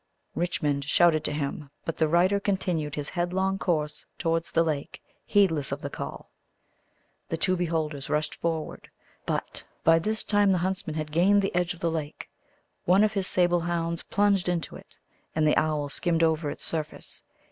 Richmond shouted to him, but the rider continued his headlong course towards the lake, heedless of the call. The two beholders rushed forward, but by this time the huntsman had gained the edge of the lake. One of his sable hounds plunged into it, and the owl skimmed over its surface.